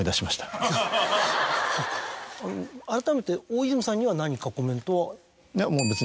あらためて大泉さんには何かコメントは？